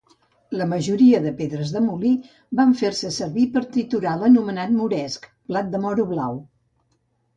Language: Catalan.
La majoria de pedres de molí van fer-se servir per triturar l'anomenat moresc "blat de moro blau".